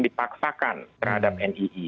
dipaksakan terhadap nii